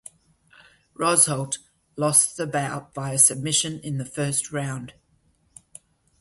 Rosholt lost the bout via submission in the first round.